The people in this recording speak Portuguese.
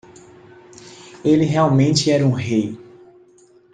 Ele realmente era um rei!